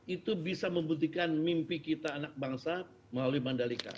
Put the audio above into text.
itu bisa membuktikan mimpi kita anak bangsa melalui mandalika